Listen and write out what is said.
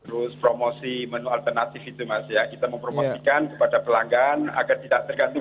terus promosi menu alternatif itu mas ya kita mempromosikan kepada pelanggan agar tidak tergantung